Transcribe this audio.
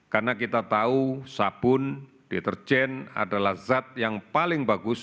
karena kita tahu sabun deterjen adalah zat yang paling bagus